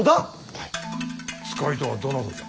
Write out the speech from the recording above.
使いとはどなたじゃ？